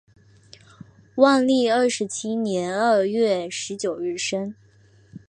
万历二十七年二月十九日生。